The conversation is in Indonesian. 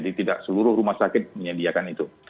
karena seluruh rumah sakit menyediakan itu